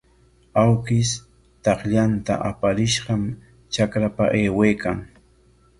Awkish takllanta aparishqam trakrapa aywaykan.